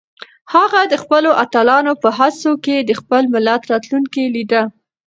هغه د خپلو اتلانو په هڅو کې د خپل ملت راتلونکی لیده.